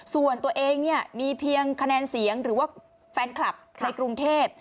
ส่วนตัวเองเนี่ยมีเพียงคะแนนเสียงหรือว่าแฟนคลับในกรุงเทพ